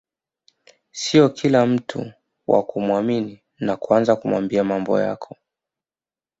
Sio kula mtubwa kumwamini na kuaanza kumwambia mambo yako